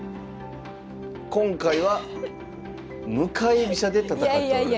今回は向かい飛車で戦っております。